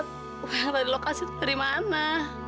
uang dari lokasi itu dari mana